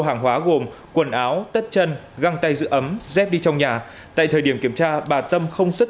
hàng hóa gồm quần áo tất chân găng tay giữ ấm dép đi trong nhà tại thời điểm kiểm tra bà tâm không xuất